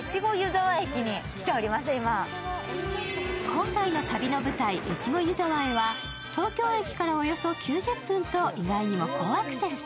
今回の旅の舞台、越後湯沢へは東京駅からおよそ９０分と意外にも好アクセス。